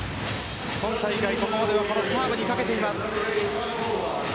今大会、ここまではこのサーブにかけています。